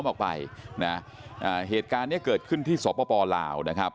ออกไปนะอ่าเหตุการณ์เนี้ยเกิดขึ้นที่สปลาวนะครับ